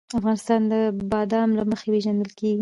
افغانستان د بادام له مخې پېژندل کېږي.